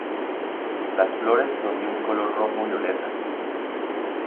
Las flores son de un color rojo violeta.